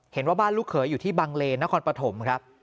เห็นว่าบ้านลูกเขยอยู่ที่บังเลนนครปฐมครับ